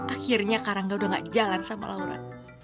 akhirnya kak rangga udah nggak jalan sama laura